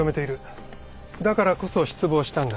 だからこそ失望したんだ。